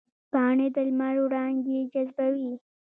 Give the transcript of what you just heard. پاڼې د لمر وړانګې جذبوي